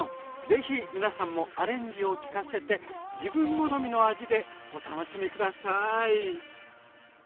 ぜひ皆さんもアレンジをきかせて自分好みの味でお楽しみ下さい！